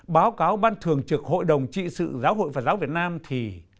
báo cáo ban thường trực hội đồng trị sự giáo hội phật giáo việt nam thì